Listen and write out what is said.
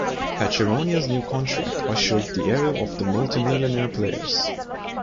Patrimonio's new contract ushered the era of the multi-millionaire players.